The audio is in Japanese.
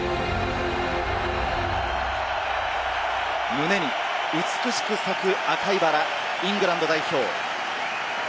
胸に美しく咲く赤いバラ、イングランド代表。